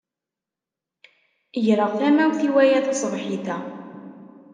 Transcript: Greɣ tamawt i waya taṣebḥit-a.